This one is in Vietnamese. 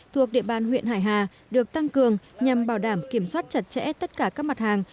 thuộc địa bàn huyện hải hà được tăng cường nhằm bảo đảm kiểm soát chặt chẽ tất cả các mặt hàng